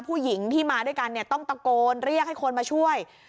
ผู้หญิงที่มาด้วยกันเนี่ยต้องตะโกนเรียกให้คนมาช่วย